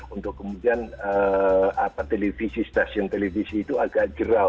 untuk kemudian apa televisi stasiun televisi itu agak jerah